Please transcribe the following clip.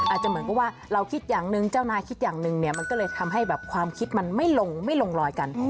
อาจจะเหมือนกับว่าเราคิดอย่างหนึ่งเจ้านายคิดอย่างหนึ่งเนี่ยมันก็เลยทำให้แบบความคิดมันไม่ลงไม่ลงรอยกัน